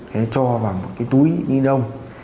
thế cho vào một cái túi nhiên đông